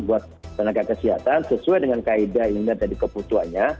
buat tenaga kesehatan sesuai dengan kaedah yang kita lihat tadi kebutuhannya